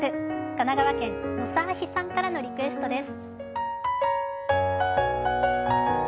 神奈川県・のさあひさんからのリクエストです。